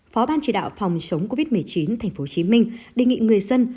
phó ban chỉ đạo phòng chống covid một mươi chín tp hcm đề nghị người dân